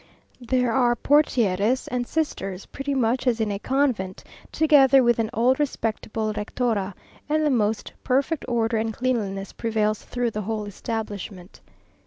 There are portieres and sisters, pretty much as in a convent; together with an old respectable Rectora; and the most perfect order and cleanliness prevails through the whole establishment.